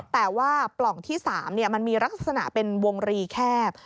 แต่ว่าปล่องที่๓มันมีลักษณะเป็นวงรีแคบ